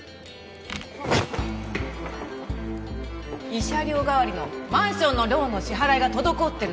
慰謝料代わりのマンションのローンの支払いが滞ってるの。